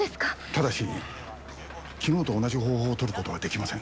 ただし昨日と同じ方法を取ることはできません。